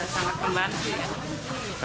sangat kembang sih ya